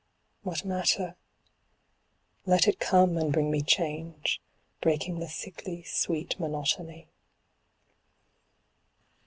What matter? let it come and bring me change, breaking the sickly sweet monotony.